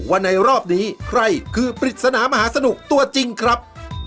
ว่าในรอบนี้ใครคือปริศนามหาสนุกตัวจริงครับ